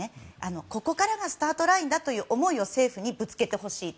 ここからがスタートラインだという思いを政府にぶつけてほしいと。